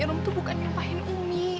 rum tuh bukan nyumpain umi